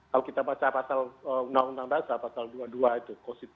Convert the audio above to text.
kalau kita baca pasal undang undang dasar pasal dua puluh dua itu